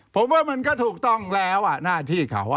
ผมว่ามันก็ถูกต้องแล้วหน้าที่เขา